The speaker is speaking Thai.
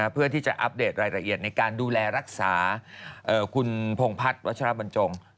เพื่อที่จะอัปเดตรายละเอียดในการดูแลรักษาคุณพงพัฒน์วัชรบรรจง